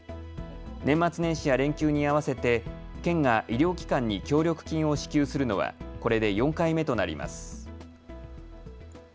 年末年始や連休に合わせて県が医療機関に協力金を支給するのはこれで４回目となります。